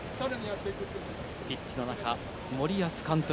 ピッチの中、森保監督